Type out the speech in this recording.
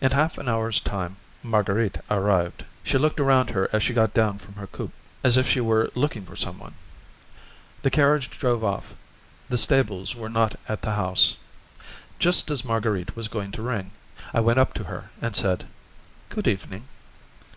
In half an hour's time Marguerite arrived. She looked around her as she got down from her coupé, as if she were looking for some one. The carriage drove off; the stables were not at the house. Just as Marguerite was going to ring, I went up to her and said, "Good evening."